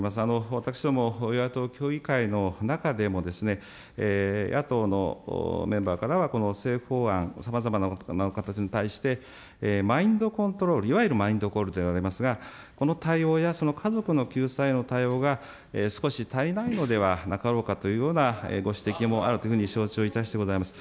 私ども、与野党協議会の中でも、野党のメンバーからはこの政府法案、さまざまな形に対して、マインドコントロール、いわゆるマインドコントロールといわれますが、この対応や、その家族の救済の対応が少し足りないのではなかろうかというようなご指摘もあるというふうに承知をいたしてございます。